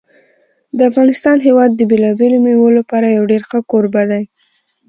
د افغانستان هېواد د بېلابېلو مېوو لپاره یو ډېر ښه کوربه دی.